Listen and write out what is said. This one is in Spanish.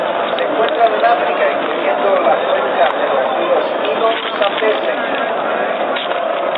Se encuentran en África, incluyendo las cuencas de los ríos Nilo y Zambeze.